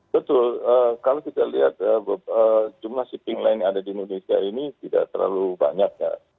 betul kalau kita lihat jumlah shipping line yang ada di indonesia ini tidak terlalu banyak ya